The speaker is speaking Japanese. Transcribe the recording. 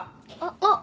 あっ。